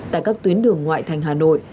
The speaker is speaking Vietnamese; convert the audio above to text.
tại các tuyến đường ngoại thành hà nội